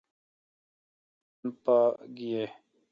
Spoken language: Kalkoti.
اتن پا گیہ۔